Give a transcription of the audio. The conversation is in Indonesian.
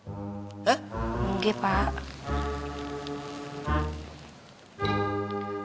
gak boleh pak